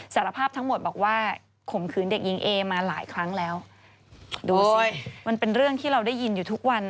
สารภาพทั้งหมดบอกว่าข่มขืนเด็กหญิงเอมาหลายครั้งแล้วดูสิมันเป็นเรื่องที่เราได้ยินอยู่ทุกวัน